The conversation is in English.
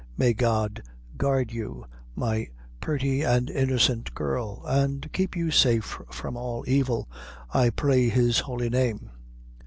May God guard you, my purty and innocent girl, an' keep you safe from all evil, I pray his holy name."